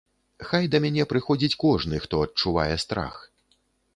Хай да мяне прыходзіць кожны, хто адчувае страх.